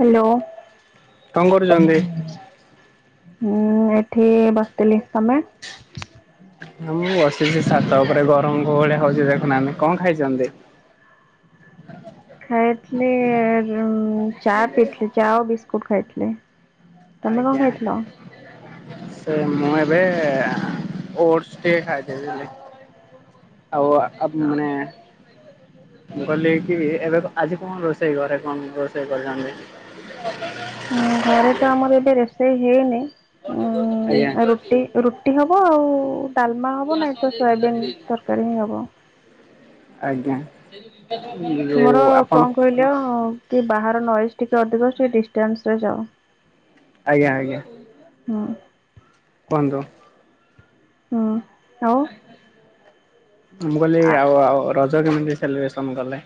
Hello. କଣ କରୁଛନ୍ତି? ହୁଁ ଏଠି ବସିଥିଲି। ତମେ? ମୁଁ ବସିଛି ସାତ ଉପରେ ଗରମ କୋଉ ଭଳିଆ ହଉଛି ଦେଖୁନାହାନ୍ତି। କଣ ଖାଇଛନ୍ତି? ଖାଇଥିଲି ଚା ପିଇଥିଲି ଚା ଆ ବିସ୍କୁଟ ଖାଇଥିଲି। ତମେ କଣ ଆଜ୍ଞା। ଖାଇଥିଲ? ସେ ମୁଁ ଏବେ ଓଡ଼ସ ଟିକେ ଖାଇଥିଲି ଆଉ ଆପ ମାନେ ମୁଁ କହିଲି କି ଏବେ ଆଜି କଣ ରୋଷେଇ ଘରେ କଣ ରୋଷେଇ କରିଛନ୍ତି? ହ [unintelligible] ଉଁ ଘରେ ତ ଆମର ଏବେ ରୋଷେଇ ହେଇନି ଆଜ୍ଞା ଉ ରୁଟି ରୁ ରୁଟି ହବ ଆଉ ଡାଲମା ହେବ ନାଇ ତ ସୋୟାବିନ୍ ତରକାରୀ ହିଁ ହେବ। ଆଜ୍ଞା ଯୋଉ ଆପଣ କିଅ କି ବାହାର ନଏଜ ଟିକେ ଅଧିକ ଅସୁଛି ଡିଷ୍ଟାନ୍ସ ରେ ଯାଅ। ଆଜ୍ଞା ଆଜ୍ଞା। ହୁଁ। କୁହନ୍ତୁ? ହୁଁ ଆଉ ମୁଁ କହିଲି ଆଉ ଆଉ ରଜ କେମିତି ସେଲିବ୍ରେସନ କଲେ?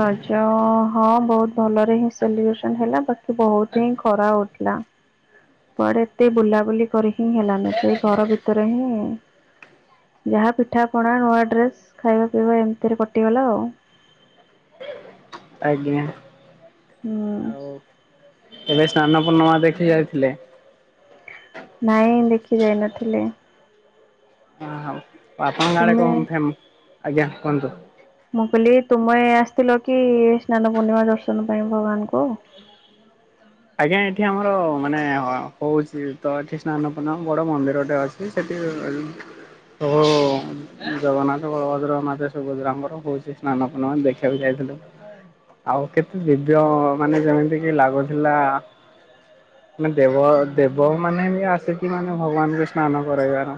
ରଜ ହଁ ବହୁତ ଭଲରେ ହିଁ ସେଲିବ୍ରେସନ ହେଲା ବାକି ବହୁତ ହିଁ ଖରା ହଉଥିଲା। କୁଆଡେ ଏତେ ବୁଲାବୁଲି କରି ହିଁ ହେଲାନି ସେଇ ଘର ଭିତରେ ହିଁ ଯାହା ପିଠାପଣା ନୂଆ ଡ୍ରେସ୍ ଖାଇବା ପିଇବା ଏମିତିରେ କଟିଗଲା ଆଉ। ଆଜ୍ଞା। ହୁଁ। ଆଉ ଏବେ ସ୍ନାନ ପୂର୍ଣ୍ଣିମା ଦେଖି ଯାଇଥିଲେ? ନାଇଁ ଦେଖି ଯାଇ ନଥିଲି। ଅ ହଉ ଆପଣଙ୍କ ଆଡେ କ ତୁମେ ଫେ ଆଜ୍ଞା କୁହନ୍ତୁ? ମୁଁ କହିଲି ତୁମେ ଆସିଥିଲ କି ସ୍ନାନ ପୂର୍ଣ୍ଣିମା ଦର୍ଶନ ପାଇଁ ଭଗବାନଙ୍କୁ? ଆଜ୍ଞା ଏଠି ଆମର ମାନେ ହଉଛି ତ ଏଠି ସ୍ନାନ ପୂର୍ଣ୍ଣିମା ବଡ ମନ୍ଦିରଟେ ଅଛି। କି ସେଠି ହୋ ଜଗନ୍ନାଥ ବଳଭଦ୍ର ମାତା ସୁଭଦ୍ରାଙ୍କର ହଉଛି ସ୍ନାନ ପୂର୍ଣ୍ଣିମା ଦେଖିବାକୁ ଯାଇଥିଲୁ। ଆଉ କେତେ ଦିବ୍ୟ ମାନେ ଯେମିତି କି ଲାଗୁଥିଲା ମାନେ ଦେବ ଦେବ ମାନେ ବି ଆସିକି ମାନେ ଭଗବାନଙ୍କୁ ସ୍ନାନ କରାଇବାର।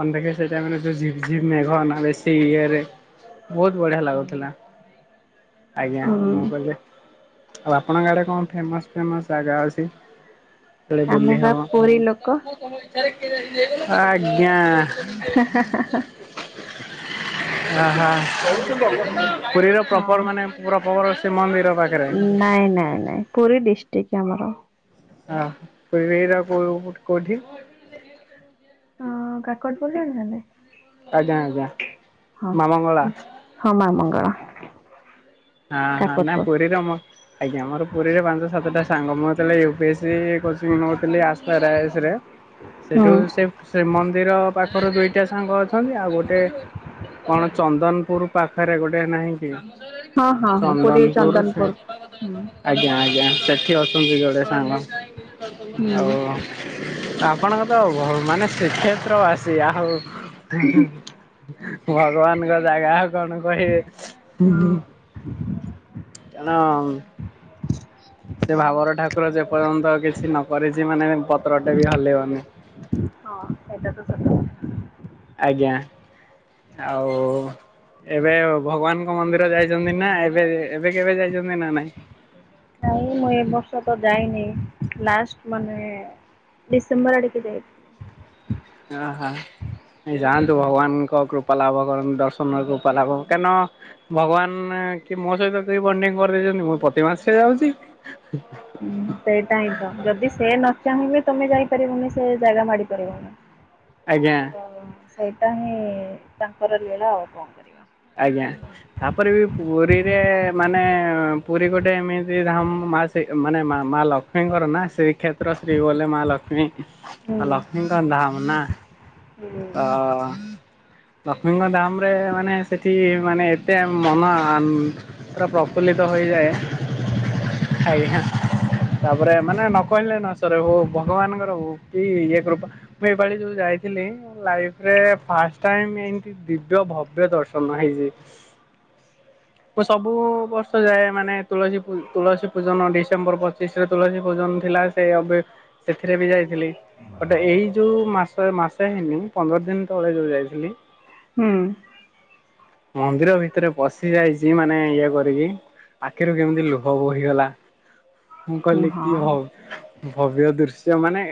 କ ଦେଖେ ସେଇଟା ମାନେ ଝିପ୍ ଝିପ୍ ମେଘ ନା ବେଶି ଇଏ ରେ ବହୁତ ବଢିଆ ଲାଗୁଥିଲା ଆଜ୍ଞା ହୁଁ ମୁଁ କହିଲି ଆଉ ଆପଣଙ୍କ ଆଡେ? କଣ ଫେମସ୍ ଫେମସ୍ ଜାଗା ଅଛି ତଳେ ଆମେ ବୁଲି ବା ହବ? ପୁରୀ ଲୋକ [unintelligible] ଆଜ୍ଞା। ହା ହା ହା ହା। ହା ହା [unintelligible] ପୁରୀର ହଁ। ପ୍ରପର ମାନେ ପ୍ରପର ଶ୍ରୀ ମନ୍ଦିର ପାଖରେ। ନାଇଁ ନାଇଁ ନାଇଁ। ପୁରୀ ଡିଷ୍ଟ୍ରିକ୍ଟ ଆମର। ଓ ସେଇଟା ପୁଣି କୋଉ କୋଉଠି? ହଁ କାକଟ [unintelligible] ଆଜ୍ଞା ଆଜ୍ଞା। ହଁ ମା ମଙ୍ଗଳା ହଁ ମା ମଙ୍ଗଳା। ହାଁ ହାଁ ନା କାକଟପୁର ପୁରୁ ରେ ଆମ ଆଜ୍ଞା ମୋର ପୁରୀରେ ପାଞ୍ଚ ସାତଟା ସାଙ୍ଗ ମୁଁ ଯେତେବଳେ ୟୁପିଏସ ସି କୋଚିଂ ନଉଥିଲି ଆ [unintelligible] ହୁଁ ସେଠୁ ସେ ଶ୍ରୀମନ୍ଦିର ପାଖରୁ ଦୁଇଟା ସାଙ୍ଗ ଅଛନ୍ତି ଆଉ ଗୋଟେ କଣ ଚନ୍ଦନପୁର ପାଖରେ ଗୋଟେ ନାହିଁ କି ହଁ ହଁ ହଁ ପୁରୀ ଚନ୍ଦନପୁର। ହୁଁ ଆଜ୍ଞା ଆଜ୍ଞା ସେଠି ଅଛନ୍ତି ଯୋଡ଼େ ସାଙ୍ଗ ହୁଁ। ଆଉ ଆପଣଙ୍କ ତ ମାନେ ଶ୍ରୀକ୍ଷେତ୍ର ବାସି ଆଉ ଭଗବାନଙ୍କ ଦୟା ଆଉ କଣ ହଁ କହିବି। କଣ? ସେ ଭାବର ଠାକୁର ଯେପର୍ଯ୍ୟନ୍ତ କିଛି ନ କରିଛି ମାନେ ପତ୍ରଟେ ବି ହଲିବନି। ହଁ ସେଟା ତ ସତ କଥା। ଆଜ୍ଞା ଆଉ ଏବେ ଭଗବାନଙ୍କ ମନ୍ଦିର ଯାଇଛନ୍ତି ନା ଏବେ ଏବେ କେବେ ଯାଇଛନ୍ତି ନା ନାଇଁ? ନାଇଁ ମୁଁ ଏ ବର୍ଷ ତ ଯାଇନି ଲାଷ୍ଟ ମାନେ ଡିସେମ୍ବର ଆଡିକି ଯାଇଥିଲି। ଓ ହୋ। ଏ ଯାଆନ୍ତୁ ଭଗବାନଙ୍କ କୃପା ଲାଭ କର ଦର୍ଶନ କୃପା ଲାଭ କାରଣ ଭଗବାନ କି ମୋ ସହିତ କେହି ବଣ୍ଡିଙ୍ଗ କରିଦେଇଛନ୍ତି ମୁଁ ପ୍ରତି ମାସରେ ଯାଉଛି। ହୁଁ ସେଇଟା ହିଁ ତ ଯଦି ସେ ନ ଚାହିଁବେ ତମେ ଯାଇପାରିବନି ସେ ଜାଗା ମାଡି ପାରିବନି। ଆଜ୍ଞା। ତ ସେଇଟା ହିଁ ତାଙ୍କର ଲୀଳା ଆଉ କଣ କରିବ? ଆଜ୍ଞା। ତାପରେ ବି ପୁରୀରେ ମାନେ ପୁରୀ ଗୋଟେ ଏମିତି ଧାମ ମାସ ସେ ମାନେ ମା ଲକ୍ଷ୍ମୀଙ୍କର ନା ଶ୍ରୀକ୍ଷେତ୍ର ଶ୍ରୀ ବଲେ ମା ଲକ୍ଷ୍ମୀ ହୁଁ ଆଉ ଲକ୍ଷ୍ମୀଙ୍କ ଧାମ ନା ହୁଁ ତ ଲକ୍ଷ୍ମୀଙ୍କ ଧାମ ରେ ମାନେ ସେଠି ମାନେ ଏତେ ମନ ପୁରା ପ୍ରଫୁଲ୍ଲିତ ହେଇଯାଏ ଆଜ୍ଞା। ତାପରେ ମାନେ ନ କହିଲେ ନ ସରେ ହୋ ଭଗବାନଙ୍କର ହ କି ଇଏ କୃପା ମୁଁ ଏପାଳି ଯୋଉ ଯାଇଥିଲି ଲାଇଫରେ ଫାଷ୍ଟ ଟାଇମ୍ ଏମତି ଦିବ୍ୟ ଭବ୍ୟ ଦର୍ଶନ ହେଇଛି। ହ ମୁଁ ସବୁ ବର୍ଷ ଯାଏ ମାନେ ତୁଳସୀ ତୁଳସୀ ପୂଜନ ଡିସେମ୍ବର ପଚିଶ ରେ ତୁଳସୀ ପୂଜନ ଥିଲା। ସେବେ ସେଥିରେ ବି ଯାଇଥିଲି ବଟେ ଏଇ ଯୋଉ ମାସ ମାସ ହେଇନି ପନ୍ଦର ଦିନ ତଳେ ଯେଉଁ ଯାଇଥିଲି ହୁଁ। ମନ୍ଦିର ଭିତରେ ପଶି ଯାଇଛି ମାନେ ଇଏ କରିକି ଆଖିରୁ କେମିତି ଲୁହ ବୋହିଗଲା ମୁଁ ହୁଁ କହିଲି ହଁ କି ହଉ ଭବ୍ୟ ଦୃଶ୍ୟ ମାନେ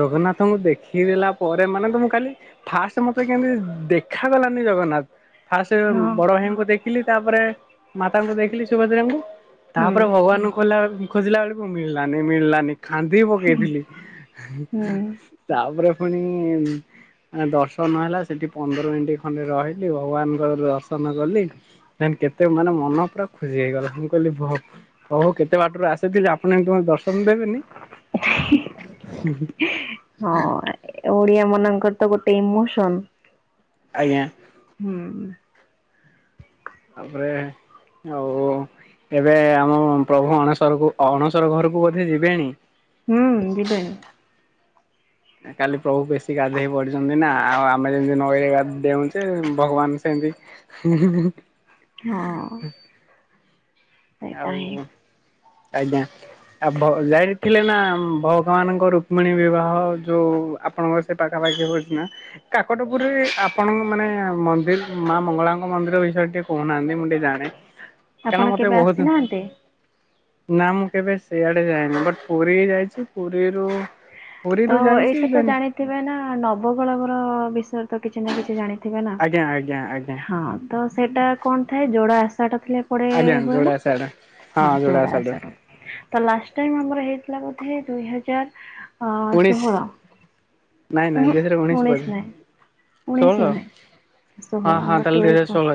ଜଗନ୍ନାଥଙ୍କୁ ଦେଖିଦେଲା ପରେ ମାନେ ତମ କାଲି ଫାଷ୍ଟ ମତେ କେମତି ଦେଖାାଗଲାନି ଜଗନ୍ନାଥ ଫାଷ୍ଟ ହଁ ବଡ ଭାଇଙ୍କୁ ଦେଖ ଦେଖିଲି ତାପରେ ମାତାଙ୍କୁ ଦେଖିଲି ସୁଭଦ୍ରାଙ୍କୁ ହୁଁ ତାପରେ ଭଗବାନଙ୍କୁ ହେଲା ଖୋଜିଲା ବେଳକୁ ମିଳିଲାନି ମିଳିଲାନି ଖାନ୍ଦି ପକେଇଥିଲି। ହୁଁ। ତାପରେ ଫୁଣି ଦର୍ଶନ ହେଲା ସେଠି ପନ୍ଦର ମିନିଟ୍ ଖଣ୍ଡେ ରହିଲି ଭଗବାନଙ୍କର ଦର୍ଶନ କଲି [unintelligible] କେତେ ମାନେ ମନ ପୁରା ଖୁସି ହେଇଗଲା ମୁ କହିଲି ଭ ହଉ-ହଉ କେତେ ବାଟରୁ ଆସଥିଲି ଆପଣ ଏମତି ମତେ ଦର୍ଶନ ଦେବେନି। ହଁ ଓଡିଆ ମାନଙ୍କର ତ ଗୋଟେ ଇମୋସନ୍। ଆଜ୍ଞା। ହୁଁ। ତାପରେ ହଉ ଏବେ ଆମ ପ୍ରଭୁ ଅଣେଶରକୁ ଅଣଶର ଘରକୁ ବୋଧେ ଯିବେଣି? ହୁଁ ଯିବେଣି। କାଲି ପ୍ରଭୁ ବେଶୀ ଗାଧେଇ ପଡ଼ିଚନ୍ତି ନା ଆଉ ଆମେ ଯେମିତି ନଈରେ [unintelligible] ଡେଉଁଚେ ଭଗବାନ୍ ସେମିତି [inaudible] ହଁ। ସେଇଟା ହିଁ ଆଉ ଆଜ୍ଞା। [unintelligible] ଯାଇଥିଲେ ନା ଭଗବାନଙ୍କ ରୁକ୍ମିଣୀ ବିବାହ ଯୋଉ ଆପଣଙ୍କ ସେ ପାଖାପାଖି ହଉଚି ନା। କାକଟପୁରରେ ଆପଣଙ୍କ ମାନେ ମନ୍ଦିର ମା ମଙ୍ଗଳାଙ୍କ ମନ୍ଦିର ବିଷୟରେ ଟିକେ କହୁନାହାନ୍ତି ମୁଁ ଟିକେ ଜାଣେ। ଆପଣ ତ [unintelligible] ବହୁତୁ। ଆସିନାହାନ୍ତି? ନା ମୁଁ କେବେ ସେଆଡେ ଯାଏନି ବଟ୍ ପୁରୀ ଯାଇଚି ପୁରୀରୁ ପୁରୀରୁ ଯାଇଚି [unintelligible] ଥିବେ ନା ନବକଳେବର ବିଷୟରେ ତ କିଛି ନା କିଛି ଜାଣିଥିବେ ନା ଆଜ୍ଞା ଆଜ୍ଞା ଆଜ୍ଞା ହଁ। ତ ସେଇଟା କଣ ଥାଏ ଯୋଡା ଆଶାଟା ଥିଲେ ପଡେ ଆଜ୍ଞା ହୁଏ ନା ଯୋଡ଼ା ସାଡେ। ହଁ ଯୋଡ଼ା ଯୋଡା ସାଡେ ଆଶାଟା। ତ ଲାଷ୍ଟ ଟାଇମ୍ ଆମର ହେଇଥିଲା ବୋଧେ ଦୁଇ ହଜାର ଅ ଉଣେଇଶ ଷୋହଳ ନାଇଁ ନାଇଁ ଉଁ ଦୁଇ ହଜାର ଉଣେଇଶ ଉଣେଇଶି ବୋଧେ ନାହିଁ। ଷୋହଳ ଉଣେଇଶି ନୁହେଁ ହଁ ଷୋହଳ ହଁ ଆମର ତାହେଲେ ଦୁଇ ହଜାର ଟୁଏଲ୍ବ ଷୋହଳ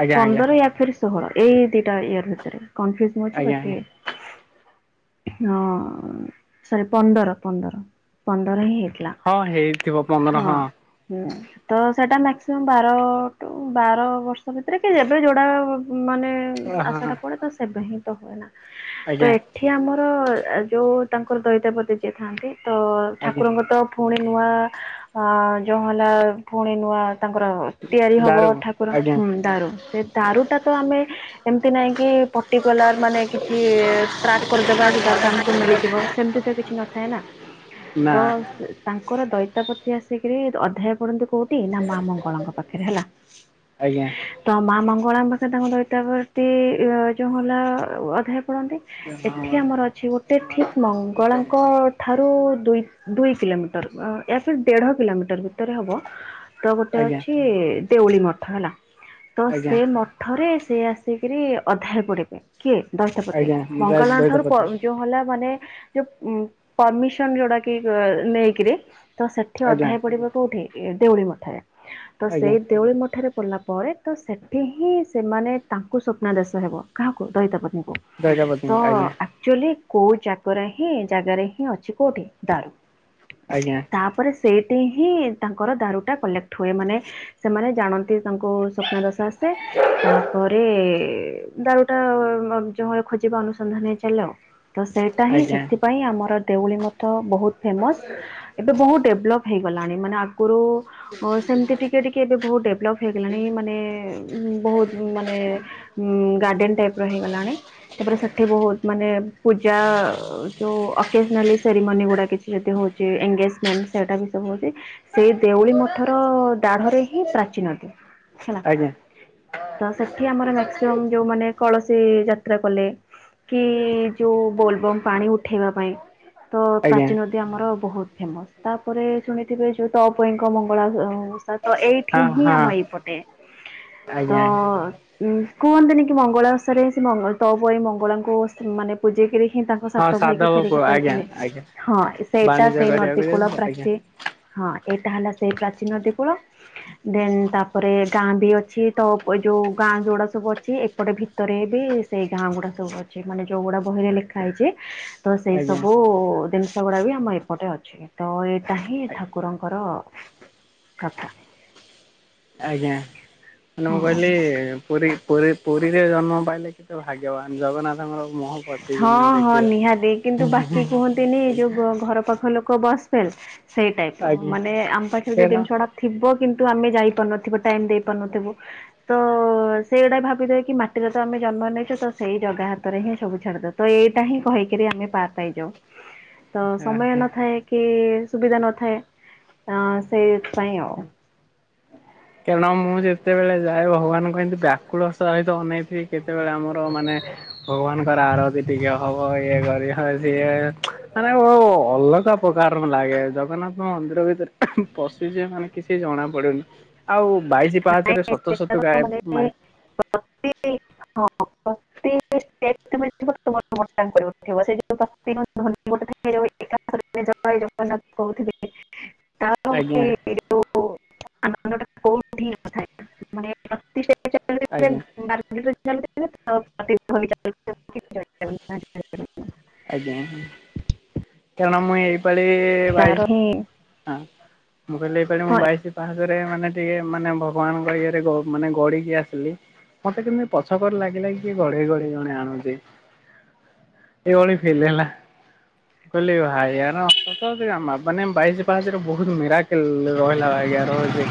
ଆଜ୍ଞା ଆଜ୍ଞା ପନ୍ଦର ୟା ଫିର୍ ଷୋହଳ ଏଇ ଦିଟା ଇୟର୍ ଭିତରେ କନଫ୍ୟୁଜ୍ ମୁଁ ଅଛି ଆଜ୍ଞା ବାକି ଆଜ୍ଞା। ହଁ ସରି ପନ୍ଦର-ପନ୍ଦର। ପନ୍ଦର ହିଁ ହେଇଥିଲା ହଁ ହେଇଥିବ ପନ୍ଦର ହଁ ହୁଁ। ତ ସେଇଟା ମ୍ୟାକ୍ସିମମ୍ ବାର ଟୁ ବାର ବର୍ଷ ଭିତରେ କି ଏବେ ଯୋଉଟା ମାନେ ହଁ ହଁ ଆଶାଟା ପଡେ ତ ସେବେ ହିଁ ତ ହୁଏନା ତ ଆଜ୍ଞା ଏଠି ଆମର ଯୋଉ ତାଙ୍କର ଦଇତା ପତି ଯିଏ ଥାନ୍ତି ତ ଆଜ୍ଞା ଠାକୁରଙ୍କ ତ ପୁଣି ନୂଆ ଯୋଉ ହେଲା ଫୁଣି ନୂଆ ତାଙ୍କର ତିଆରି ହବ ଦାରୁ ଠାକୁର ଆଜ୍ଞା ହୁଁ ଦାରୁ ସେ ଦାରୁଟା ତ ଆମେ ଏମିତି ନାଇଁ କି ପର୍ଟିକୁଲାର ମାନେ କିଛି ଟ୍ରାକ୍ କରିଦବା ସେଧାର ଟା ଆମକୁ ମିଳିଯିବ ସେମିତି ତ କିଛି ନ ଥାଏ ନା ନା ତ ତାଙ୍କର ଦଇତାପତି ଆସିକରି ଅଧ୍ୟାୟ ପଡ଼ନ୍ତି କୋଉ ଠି, ନା ମା ମଙ୍ଗଳା ଙ୍କ ପାଖରେ ହେଲା। ଆଜ୍ଞା ତ ମା ମଙ୍ଗଳାଙ୍କ ପାଖରେ ତାଙ୍କ ଦଇତାପତି ଯୋଉ ଭଲ ଅଧାୟ ପଡନ୍ତି ଏଠି ଆମର ଅଛି ଗୋଟେ ଠିକ୍ ମଙ୍ଗଳା ଠାରୁ ଦୁଇ କିଲୋମିଟର [unintelligible] ଦେଢ କିଲୋମିଟର ଭିତରେ ହବ ତ ଗୋଟେ ଆଜ୍ଞା ଅଛି ଦେଉଳି ମଠ ହେଲା ତ ଆଜ୍ଞା ସେ ମ ଠରେ ସେି ଆସିକରି ଅଧାୟ ପିଢିବେ କିଏ ଦଇତାପତି ଆଜ୍ଞା [unintelligible] ଠାରୁ ଦଇତାପତି ଯୋଉ ହେଲା ମାନେ ଯୋଉ ଉଁ ପରମିସନ ଯଉଟା କି ନେଇକିରି ତ ସେଠି ଅଧା ଆଜ୍ଞା ହେ ପଡିବ କୋଉଠି ଦେଉଳି ମଠାରେ ତ ଆଜ୍ଞା ସେଇ ଦେଉଳି ମଠାରେ ପଲା ପରେ ତ ସେଠି ହିଁ ସେମାନେ ତାଙ୍କୁ ସ୍ୱପ୍ନା ଦେଶ ହେବ କାହାକୁ ଦୈତା ପତ୍ନୀଙ୍କୁ। ଦଇତାପତି ତ ଆଜ୍ଞା ଆକ୍ଚୁଆଲି କୋଉ ଚାକରା ହ ହଁ ଜାଗାରେ ହିଁ ଅଛି କୋଉଠି ଦାରୁ। ଆଜ୍ଞା। ତାପରେ ସେଇଠି ହିଁ ତାଙ୍କର ଦାରୁଟା କଲେକ୍ଟ ହୁଏ ମାନେ ସେମାନେ ଜାଣନ୍ତି ତାଙ୍କୁ ସ୍ୱପ୍ନ ଦଶ ଆସେ ତାପରେ ଦାରୁ ଯୋଉଳି ଖୋଜିବା ଅନୁସନ୍ଧାନ ଚାଲ ତ ସେଇଟା ହିଁ ସେ ଆଜ୍ଞା ପାଇଁ ଆମର ଦେଉଳି ମଧ୍ୟ ବହୁତ ଫେମସ୍ ଏବେ ବହୁତ ଡେଭଲପ୍ ହେଇଗଲାଣି ମାନେ ଆଗରୁ ସେମିତି ଟିକେ ଟିକେ ଏବେ ବହୁତ ଡେଭଲପ୍ ହେଇଗଲାଣି ମାନେ ବହୁତ ମାନେ ଗାର୍ଡ଼େନ୍ ଟାଇପ୍ର ହେଇଗଲାଣି। ତାପରେ ସେଠି ବହୁତ ମାନେ ପୂଜା ଯେଉ ଅକେଜନାଲି ସେରିମୋନି ଗୁଡାକ କିଛି ଯଦି ହଉଛି ଏଙ୍ଗେଜମେଣ୍ଟ ସେଇଟା ବି ସବୁ ହଉଛି। ସେଇ ଦେଉଳି ମଠର ଦାଢରେ ହିଁ ପ୍ରାଚୀନଦି ହେଲା। ଆଜ୍ଞା ତ ସେଠି ଆମର ମକ୍ସିମମ୍ ଯୋଉମାନେ କଳସୀ ଯାତ୍ରା କଲେ। କି ଯୋଉ ବୋଲବମ୍ ପାଣି ଉଠେଇବା ପାଇଁ ତ ଆଜ୍ଞା ପ୍ରାଚୀନ ଯ ଆମର ବହୁତ ଫେମସ୍ ତାପରେ ଶୁଣିଥିବେ ଯଉ ତପଇ ଙ୍କ ମଙ୍ଗଳା ତ ଏଇଠି ହଁ ହିଁ ହଁ ଆମ ଏଇପଟେ ତ ଆଜ୍ଞା ଉଁ କୁହନ୍ତିନି କି ମଙ୍ଗଳାସରେଁ ସେ ତପ ମଙ୍ଗଳାଙ୍କୁ ମାନେ ପୂଜେଇ କରି ହିଁ ତାଙ୍କ ହଁ ସାଥି କି ସାଧବ ଫେରିକି ପୁଅ ଆଜ୍ଞା ପାଇଥିଲେ ଆଜ୍ଞା ହଁ ସେଇଟା ବାଣିଜ୍ୟ ସେଇ ନଦୀ କରିବାକୁ କୂଳ ଯାଉଥିଲେ ଆଜ୍ଞା ପ୍ରାଚୀ ହଁ ଏଇଟା ହେଲା ସେଇ ପ୍ରାଚୀନଦି କୂଳ। ଦେନ୍ ତାପରେ ଗାଁ ବି ଅଛି ତ ଯୋଉ ଗାଁ ଯୋଉଡା ସବୁ ଅଛି ଏପଟେ ଭି ଭିତରେ ବି ସେଇ ଗାଁ ଗୁଡା ସବୁ ଅଛି ମାନେ ଯୋଉଗୁଡା ବହିରେ ଲେଖା ହେଇଛି। ତ ସେଇ ଆଜ୍ଞା ସବୁ ଜିନିଷ ଗୁଡ଼ା ବି ଆମ ଏପଟେ ଅଛି ତ ଏ ତା ହିଁ ଠାକୁରଙ୍କର କଥା। ଆଜ୍ଞା ମ ମୁଁ ହଁ କହିଲି। ପୁରୀ ପୁରୀ ପୁରୀରେ ଜନ୍ମ ପାଇଲେ କେତେ ଭାଗ୍ୟବାନ ଜଗନ୍ନାଥଙ୍କର ମହ ହଁ ହଁ ନିହାତି କିନ୍ତୁ ବାକି କୁହନ୍ତିନି ଯୋଉ ଘର ପାଖ ଲୋକ ବସ ଫେଲ ସେଇ ଟାଇପ ର ଆଜ୍ଞା ମାନେ ଆମ ପାଖରେ ଯୋଉ କେନ ଜିନିଷଡା ଥିବ କିନ୍ତୁ ଆମେ ଯାଇପାରୁନଥିବୁ ଟାଇମ୍ ଦେଇପାରୁନଥିବୁ। ତ ସେଇଟା ଭାବିଥଏ କି ମାଟିରେ ତ ଆମେ ଜନ୍ମ ନେଇଛୁ ତ ସେଇ ଜଗା ହାତରେ ହିଁ ସବୁ ଛଡଦ ତ ଏଇଟା ହିଁ କହିକିରି ଆମେ ପାର ପାଇ ଯାଉ ତ ସମୟ ନଥାଏ କି ସୁବିଧା ନଥାଏ ଅ ସେଇଥ ପାଇଁ ଆଉ। କାରଣ ମୁଁ ଯେତେବେଳେ ଯାଏ ଭଗବାନଙ୍କୁ ଏମିତି ବ୍ୟାକୁଳ ସହିତ ଅନେଇଥିଲି କେତେବେଳେ ଆମର ମାନେ ଭଗବାନଙ୍କର ଆରତି ଟିକେ ହବ ଇଏ କରି ସିଏ ମାନେ ଅଲଗା ଉପକାରମ୍ ଲାଗେ ଜଗନ୍ନାଥ ମନ୍ଦିର ଭିତରେ ଉଁ ହଁ ପଶିଯିବେ। ମାନେ କିଛି ଜଣା ପଡିବନି ଆଉ ବାଇଶି ପାଚ ରେ ନାଇଁ ଶତ ସେଟା ଶତ ଗା ତ ଏ। ମାନେ [unintelligible] [unintelligible] ଆଜ୍ଞା [unintelligible] ଆଜ୍ଞା [unintelligible] [unintelligible] ଆଜ୍ଞା କାରଣ ମୁଁ ଏଇପାଳି ଭାଇ ତାର ହିଁ ହଁ। ମୁଁ କହିଲି ଏଇପାଳି ମୁଁ ହଁ ବାଇଶି ପାହାଚରେ ମାନେ ଟିକେ ମାନେ ଭଗବାନଙ୍କ ଇଏରେ ମାନେ ଗଡିକି ଆସିଲି। ମତେ କେମିତି ପଛକରୁ ଲାଗିଲା କିଏ ଗଡେଇ ଗଡେଇ ଜଣେ ଆଣୁଛି। ଏଇଭଳି ଫିଲ୍ ହେଲା। [unintelligible] ତାଦେହରେ ବହୁତ୍ ମେରାକିଲ୍ ରହିଲା [unintelligible] ରହୁଛି।